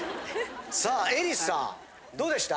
さあえりさんどうでした？